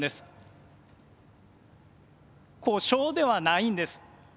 故障ではないんです。